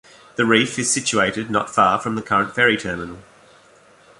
The reef is situated not far from the current ferry terminal.